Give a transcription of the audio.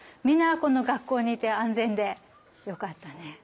みんなこの学校にいて安全でよかったね。